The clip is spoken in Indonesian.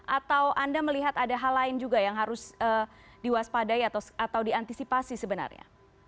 atau anda melihat ada hal lain juga yang harus diwaspadai atau diantisipasi sebenarnya